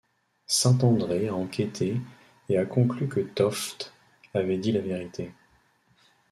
Saint-André a enquêté et a conclu que Toft avait dit la vérité.